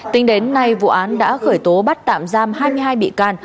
tính đến nay vụ án đã khởi tố bắt tạm giam hai mươi hai bị can